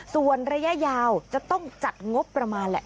ส่วนระยะยาวจะต้องจัดงบประมาณแหละ